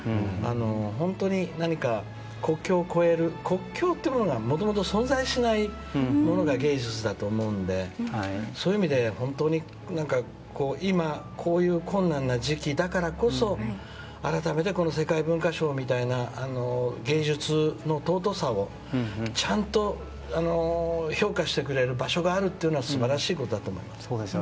本当に何か国境を越える国境というものがもともと存在しないものが芸術だと思うのでそういう意味で今、困難な時期だからこそ改めて世界文化賞みたいな芸術の尊さをちゃんと評価してくれる場所があるのは素晴らしいことだと思います。